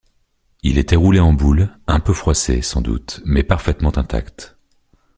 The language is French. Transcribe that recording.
Il était roulé en boule, un peu froissé, sans doute, mais parfaitement intact.